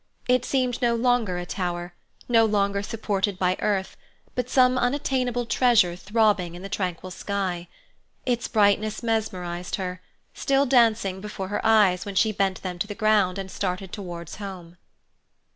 It seemed no longer a tower, no longer supported by earth, but some unattainable treasure throbbing in the tranquil sky. Its brightness mesmerized her, still dancing before her eyes when she bent them to the ground and started towards home.